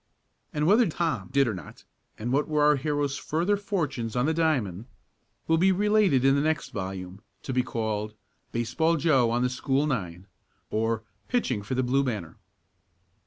And whether Tom did or not, and what were our hero's further fortunes on the diamond, will be related in the next volume, to be called: "Baseball Joe on the School Nine; or, Pitching for the Blue Banner."